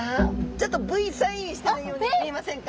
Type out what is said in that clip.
ちょっとＶサインしてるようにも見えませんか？